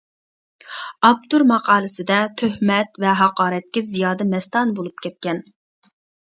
ئاپتور ماقالىسىدە تۆھمەت ۋە ھاقارەتكە زىيادە مەستانە بولۇپ كەتكەن.